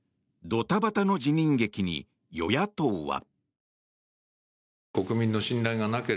ドタバタの辞任劇に与野党は。